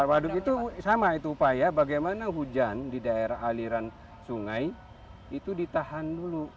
waduk itu sama itu upaya bagaimana hujan di daerah aliran sungai itu ditahan dulu